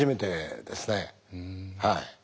はい。